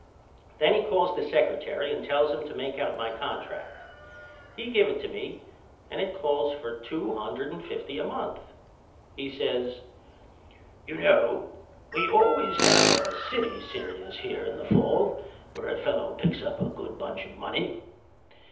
Then he calls the secretary and tells him to make out my contract. He give it to me and it calls for two hundred and fifty a month. He says You know we always have a city serious here in the fall where a fellow picks up a good bunch of money.